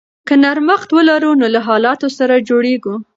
که نرمښت ولرو نو له حالاتو سره جوړیږو.